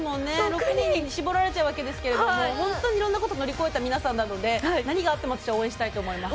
６人に絞られちゃうわけですけれどもホントに色んな事乗り越えた皆さんなので何があっても私は応援したいと思います。